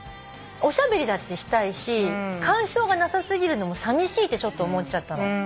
おしゃべりだってしたいし干渉がなさ過ぎるのもさみしいってちょっと思っちゃったの。